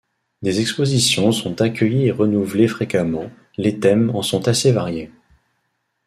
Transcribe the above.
Des expositions sont accueillies et renouvelés fréquemment, les thèmes en sont assez variés.